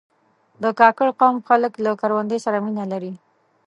د کاکړ قوم خلک له کروندې سره مینه لري.